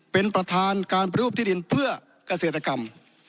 เป็นประธานการปฏิรูปที่ดินเพื่อเกษตรกรรม